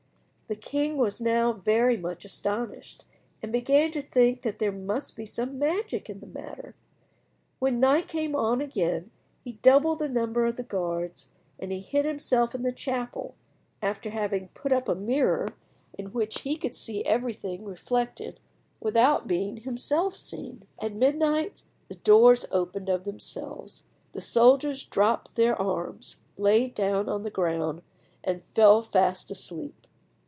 The king was now very much astonished, and began to think that there must be some magic in the matter. When night came on he again doubled the number of the guards, and hid himself in the chapel, after having put up a mirror in which he could see everything reflected without being himself seen. At midnight the doors opened of themselves, the soldiers dropt their arms, lay down on the ground, and fell fast asleep.